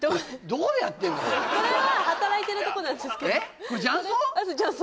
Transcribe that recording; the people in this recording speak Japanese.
これは働いてるとこなんですけどこれ雀荘？